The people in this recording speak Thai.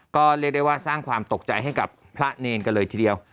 ก็เรียกได้ว่าสร้างความตกใจให้กับพระเนรกันเลยทีเดียว